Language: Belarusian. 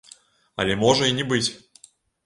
Але можа і не быць.